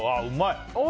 うまい。